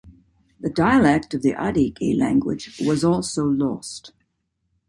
The dialect of the Adyghe language was also lost.